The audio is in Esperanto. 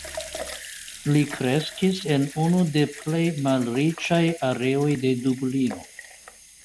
Li kreskis en unu de plej malriĉaj areoj de Dublino.